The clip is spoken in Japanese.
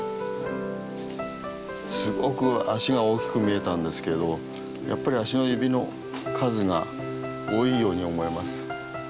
すごく足が大きく見えたんですけどやっぱり足の指の数が多いように思えます。